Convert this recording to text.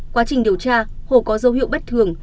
quá trình điều tra hồ có dấu hiệu bất thường